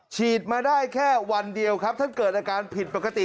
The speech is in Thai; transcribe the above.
ฉีดมาได้แค่วันเดียวครับท่านเกิดอาการผิดปกติ